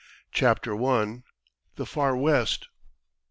CHAPTER I. THE FAR WEST.